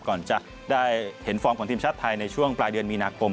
ก่อนจะได้เห็นฟอร์มของทีมชาติไทยในช่วงปลายเดือนมีนาคม